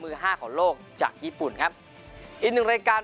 ห้าของโลกจากญี่ปุ่นครับอีกหนึ่งรายการ